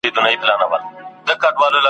عطر نه لري په ځان کي ستا له څنګه ټوله مړه دي ,